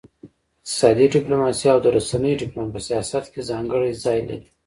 اقتصادي ډيپلوماسي او د رسنيو ډيپلوماسي په سیاست کي ځانګړی ځای لري.